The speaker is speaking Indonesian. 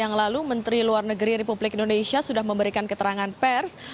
yang lalu menteri luar negeri republik indonesia sudah memberikan keterangan pers